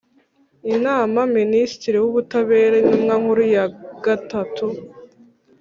inama Minisitiri w Ubutabera Intumwa Nkuru ya gatatu